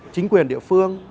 chính quyền địa phương